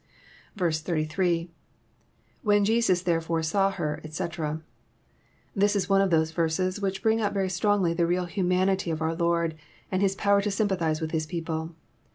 88. — IWhen Jesus therefore saw her, etcl This is one of those ▼erses which bring oat very strongly tne real humanity of our Lord, and His power to sympathize with His people.